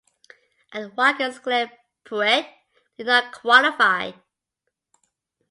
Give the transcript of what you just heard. At Watkins Glen Pruett did not qualify.